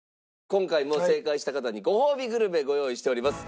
今回も正解した方にごほうびグルメご用意しております。